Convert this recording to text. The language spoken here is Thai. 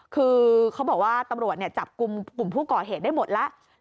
คือเขาบอกว่าตำรวจจับกลุ่มผู้ก่อเหตุได้หมดแล้ว